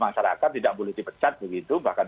masyarakat tidak boleh dipecat begitu bahkan